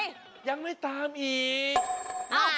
ยังไม่ตามอีก